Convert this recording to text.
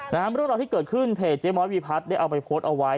เรื่องราวที่เกิดขึ้นเพจเจ๊ม้อยวีพัฒน์ได้เอาไปโพสต์เอาไว้